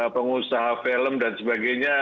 pengusaha film dan sebagainya